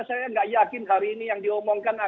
saya nggak yakin hari ini yang diomongkan